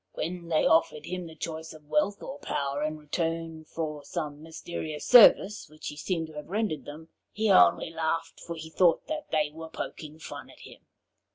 When they offered him the choice of wealth or power in return for some mysterious service which he seemed to have rendered them, he only laughed, for he thought that they were poking fun at him.